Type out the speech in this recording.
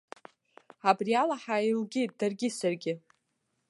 Абриала ҳааилгеит даргьы саргьы.